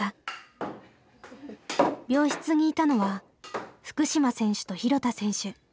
病室にいたのは福島選手と廣田選手。